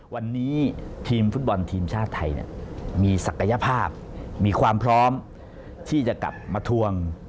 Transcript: วันนี้ทีมฟุตบอลทีมชาติไทยมีศักยภาพมีความพร้อมที่จะกลับมาทวง